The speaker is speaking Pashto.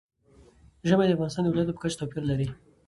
ژمی د افغانستان د ولایاتو په کچه توپیر لري.